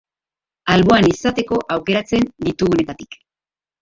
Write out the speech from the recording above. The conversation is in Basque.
Alboan izateko aukeratzen ditugunetatik.